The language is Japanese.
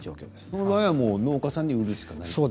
その場合は農家さんに売るしかない。